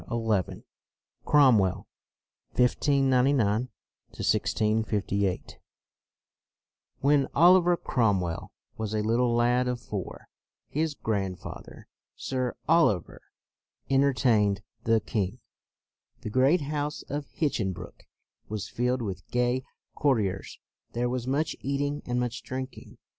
OLIVER CROMWELL From the Portrait by Samuel Cooper CROMWELL 1599 1658 WHEN Oliver Cromwell was a little lad of four, his godfather, Sir Oliver, enter tained the king. The great house of Hinchinbrook was filled with gay cour tiers. There was much eating and much drinking.